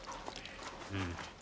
うん。